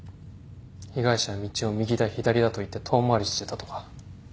被害者は道を右だ左だと言って遠回りしてたとか。